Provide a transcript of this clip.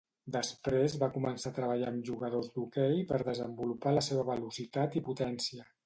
Després va començar a treballar amb jugadors d'hoquei per desenvolupar la seva velocitat i potència.